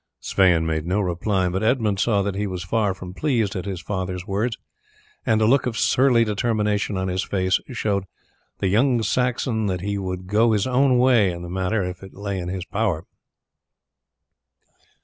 Sweyn made no reply, but Edmund saw that he was far from pleased at his father's words, and a look of surly determination on his face showed the young Saxon that he would go his own way in the matter if it lay in his power.